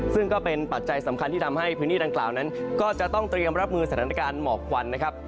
ซึ่งก็เป็นปัจจัยสำคัญที่ทำให้พื้นที่ดังกล่าวนั้นก็จะต้องเตรียมรับมือสถานการณ์หมอกควันนะครับ